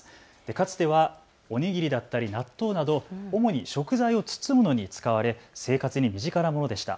かつてはお握りだったり納豆など主に食材を包むのに使われ生活に身近なものでした。